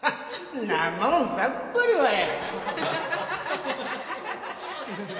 んなもんさっぱりわやや。